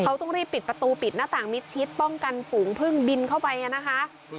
เขาต้องรีบปิดประตูปิดหน้าต่างมิดชิดป้องกันฝูงพึ่งบินเข้าไปนะคะ